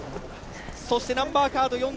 そして、ナンバーカード４２